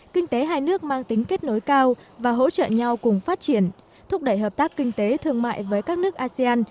kinh tế hai nước mang tính kết nối cao và hỗ trợ nhau cùng phát triển thúc đẩy hợp tác kinh tế thương mại với các nước asean